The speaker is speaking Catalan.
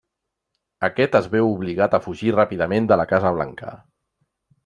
Aquest es veu obligat a fugir ràpidament de la Casa Blanca.